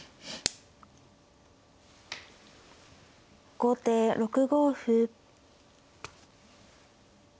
後手６五歩。